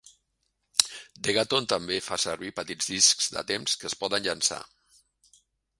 Degaton també fa servir petits discs de temps que es poden llançar.